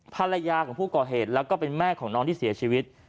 ภรรยาของผู้ก่อเหตุแล้วก็เป็นแม่ของน้องที่เสียชีวิต